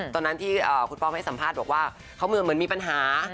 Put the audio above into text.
ตอนนั้นที่คุณป๊อปให้สัมพันธ์บอกว่าเขามีปัญหา